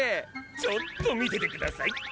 ちょっと見ててください。